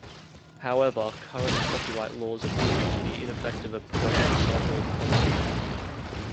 However, current copyright laws are proving to be ineffective at preventing sampling of content.